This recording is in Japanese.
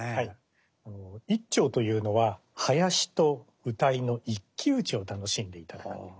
一調というのは囃子と謡の一騎打ちを楽しんでいただく。